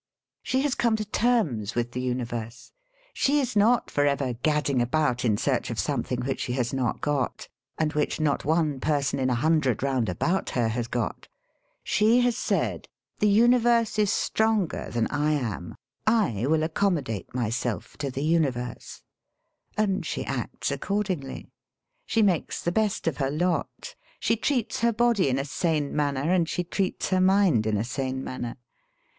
She has come to terma with the universe. She is not for ever gadding about in search of something which she has not got, and which not one person in a hundred round about her has got. She has saJd: "The universe is Btronger than I am. I will accommodate myself to the universe," And she acts accordingly. She makes the best of her lot. She treats her body in a sane manner, and she treats her mind in a sane manner.